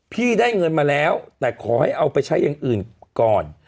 พี่ได้เงินมาแล้วแต่ขอให้เอาไปใช้อย่างอื่นก่อน